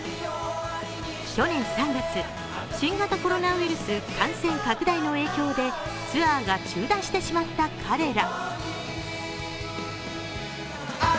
去年３月、新型コロナウイルス感染拡大の影響でツアーが中断してしまった彼ら。